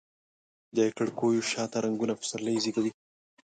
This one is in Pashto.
د کړکېو شاته رنګونو پسرلي زیږولي